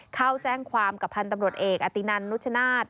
เข้าแจ้งความกับพันธุ์ตำรวจเอกอตินันนุชนาธิ์